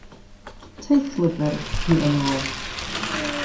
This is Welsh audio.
Teithlyfr yw Yn ôl.